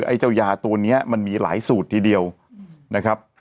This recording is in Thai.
ไอ้เจ้ายาตัวนี้มันมีหลายสูตรทีเดียวนะครับ